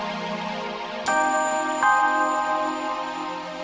mamadi tabi mam kolon